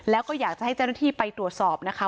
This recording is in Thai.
แล้วก็อยากจะให้เจ้าหน้าที่ไปตรวจสอบนะคะ